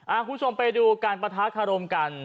อ้าวคุณไปดูการปะทะถารมกัน